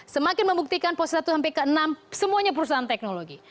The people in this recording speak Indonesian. semakin membuktikan posisi satu sampai ke enam semuanya perusahaan teknologi